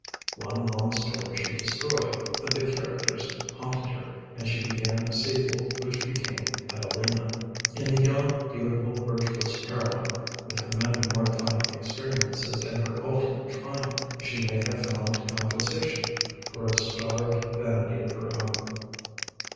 One long story she destroyed; but the characters haunted her, and she began a sequel which became 'Evelina.' In the young, beautiful, virtuous heroine, with her many mortifying experiences and her ultimate triumph, she may have found compensation for a starved vanity of her own.